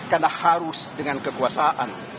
karena harus dengan kekuasaan